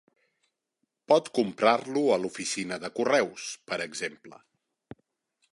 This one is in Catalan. Pot comprar-lo a l'oficina de correus, per exemple.